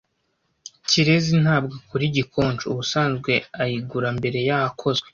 Kirezi ntabwo akora igikonjo. Ubusanzwe ayigura mbere yakozwe.